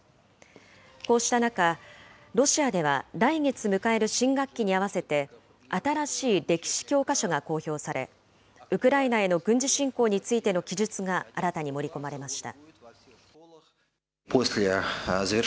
こうした中、ロシアでは来月迎える新学期に合わせて、新しい歴史教科書が公表され、ウクライナへの軍事侵攻についての記述が新たに盛り込まれました。